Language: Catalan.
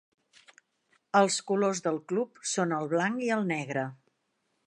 Els colors del club són el blanc i el negre.